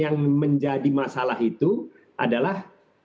yang menjadi masalah itu adalah